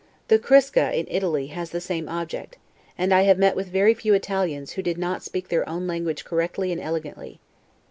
The 'Crusca', in Italy, has the same object; and I have met with very few Italians, who did not speak their own language correctly and elegantly.